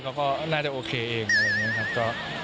เขาก็น่าจะโอเคเองอะไรอย่างนี้ครับ